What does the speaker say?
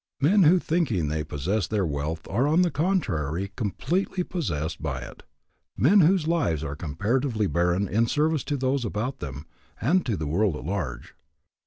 Men who thinking they possess their wealth are on the contrary completely possessed by it. Men whose lives are comparatively barren in service to those about them and to the world at large.